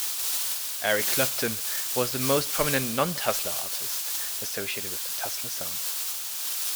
Eric Clapton was the most prominent non-Tulsa artist associated with the Tulsa sound.